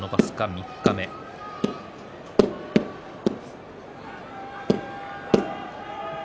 三日目です。